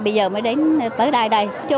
bây giờ mới đến tới đây đây